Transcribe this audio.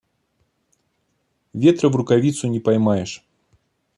Ветра в рукавицу не поймаешь.